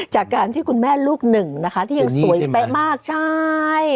จากการที่คุณแม่ลูกหนึ่งนะคะที่ยังสวยเป๊ะมากใช่